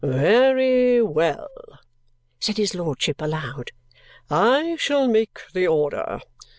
"Very well!" said his lordship aloud. "I shall make the order.